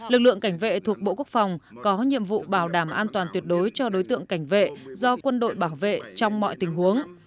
lực lượng cảnh vệ thuộc bộ quốc phòng có nhiệm vụ bảo đảm an toàn tuyệt đối cho đối tượng cảnh vệ do quân đội bảo vệ trong mọi tình huống